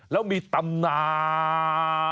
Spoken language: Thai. แล้วมีตำนาน